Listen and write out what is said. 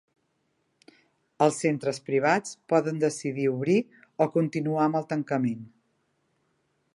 Els centres privats poden decidir obrir o continuar amb el tancament.